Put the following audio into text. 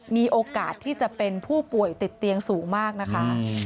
มีโอกาสที่จะเป็นผู้ป่วยติดเตียงสูงมากนะคะ